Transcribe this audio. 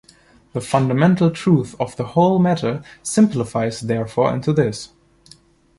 The fundamental truth of the whole matter simplifies therefore into this.